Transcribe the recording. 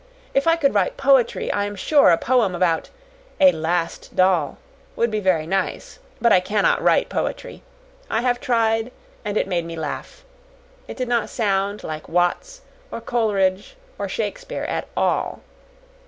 If I could write poetry, I am sure a poem about 'A Last Doll' would be very nice. But I cannot write poetry. I have tried, and it made me laugh. It did not sound like Watts or Coleridge or Shakespeare at all.